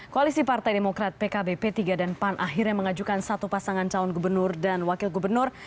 koalisi partai demokrat pkb p tiga dan pan akhirnya mengajukan satu pasangan calon gubernur dan wakil gubernur